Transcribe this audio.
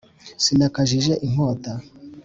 Sinakajije inkota